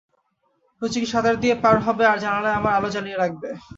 রোজই কি সাঁতার দিয়ে পার হবে, আর জানলায় আমার আলো জ্বালিয়ে রাখব।